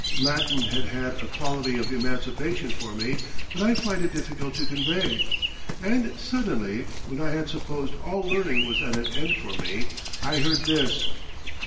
Latin had had a quality of emancipation for me that I find it difficult to convey. And suddenly, when I had supposed all learning was at an end for me, I heard this!